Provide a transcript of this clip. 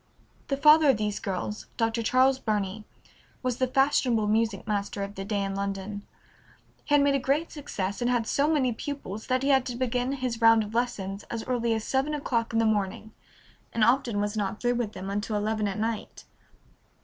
The father of these girls, Dr. Charles Burney, was the fashionable music master of the day in London. He had made a great success, and had so many pupils that he had to begin his round of lessons as early as seven o'clock in the morning, and often was not through with them until eleven at night.